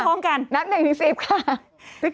กรมป้องกันแล้วก็บรรเทาสาธารณภัยนะคะ